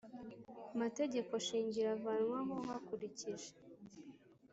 mategeko nshingiro Avanwaho hakurikije